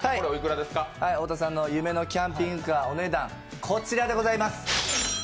太田さんの夢のキャンピングカーのお値段、こちらでございます。